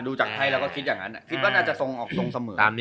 ดูจากใครเราก็คิดอย่างนั้นคิดว่าน่าจะสงออกสมมิตร